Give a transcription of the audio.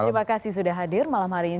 terima kasih sudah hadir malam hari ini